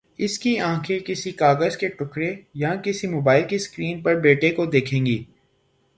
اس کے آنکھیں کسی کاغذ کے ٹکڑے یا کسی موبائل کی سکرین پر بیٹے کو دیکھیں گی۔